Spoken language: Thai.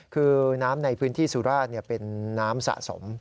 คือน้ำในพื้นที่สุราชเป็นน้ำสะสม